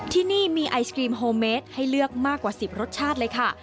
ที่นี่มีไอศกรีมโฮเมสให้เลือกมากกว่า๑๐รสชาติเลยค่ะ